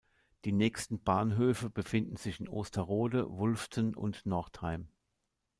Die nächsten Bahnhöfe befinden sich in Osterode, Wulften und Northeim.